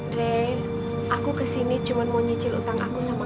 d aku kesini cuma mau nyicil utang aku sama